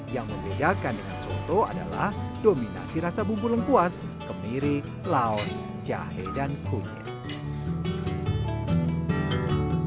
yang membedakan dengan soto adalah dominasi rasa bumbu lengkuas kemiri laos jahe dan kunyit